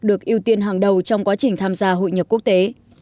được ưu tiên hàng đầu trong quá trình tham gia hội nhập quốc tế